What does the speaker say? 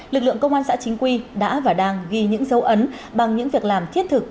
lực lượng công an xã chính quy đã và đang ghi những dấu ấn bằng những việc làm thiết thực